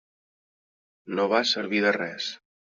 No va servir de res.